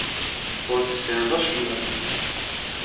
Ur tessineḍ acemma fell-i.